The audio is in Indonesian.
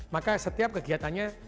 maka setiap kegiatannya